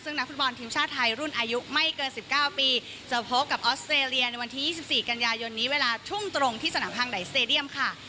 ซึ่งนักฟุตบอลทีมชาติไทยรุ่นอายุไม่เกิน๑๙ปีจะพบกับออสเตรเลียในวันที่๒๔กันยายนนี้เวลาทุ่มตรงที่สนามฮังไดสเตดียมค่ะ